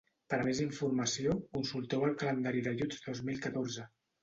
Per a més informació, consulteu el calendari d'ajuts dos mil catorze.